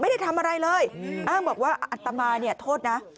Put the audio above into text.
ไม่ได้ทำอะไรเลยอ้างบอกว่าอัตมาเนี่ยโทษนะ